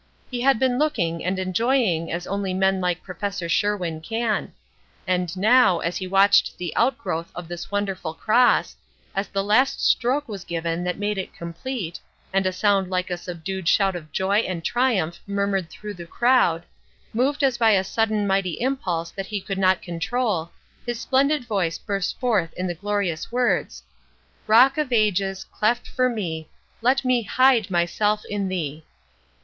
He had been looking and enjoying as only men like Prof. Sherwin can; and now, as he watched the outgrowth of this wonderful cross, as the last stroke was given that made it complete, and a sound like a subdued shout of joy and triumph murmured through the crowd, moved as by a sudden mighty impulse that he could not control, his splendid voice burst forth in the glorious words: "Rock of Ages, cleft for me, Let me hide myself in Thee."